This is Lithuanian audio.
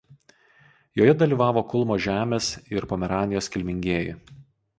Joje dalyvavo Kulmo žemės ir Pomeranijos kilmingieji.